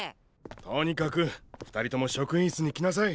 とにかく２人とも職員室に来なさい。